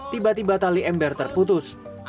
tiba tiba tali ember terputus